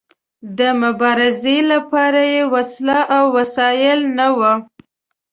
د مبارزې لپاره يې وسله او وسايل نه وي.